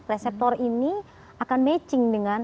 reseptor ini akan matching dengan